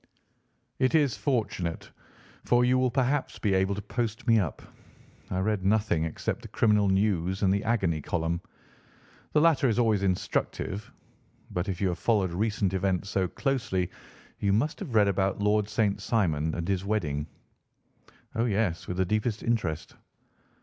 "It is fortunate, for you will perhaps be able to post me up. I read nothing except the criminal news and the agony column. The latter is always instructive. But if you have followed recent events so closely you must have read about Lord St. Simon and his wedding?" "Oh, yes, with the deepest interest."